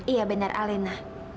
iya benar alina